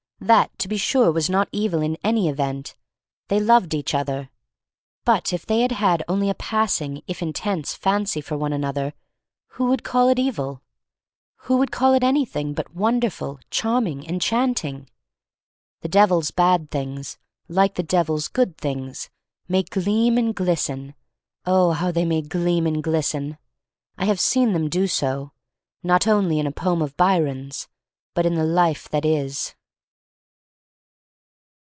That, to be sure, was not evil in any event — they loved each other. But if they had had only a passing, if intense, fancy for one another, who would call it evil? Who would call it anything but wonderful, charming, enchanting? The Devil's bad things — like the Devil's good things — may gleam and glisten, oh, how they may gleam and glisten! I have seen them do so, not only in a poem of Byron's, but in the life that is.